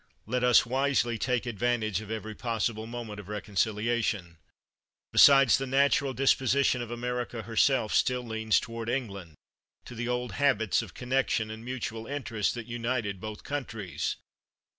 Let us wisely take advantage of every possible moment of reconciliation. Besides, the natural 219 THE WORLD'S FAMOUS ORATIONS disposition of America herself still leans toward England, to the old habits of connection and mutual interest that united both countries.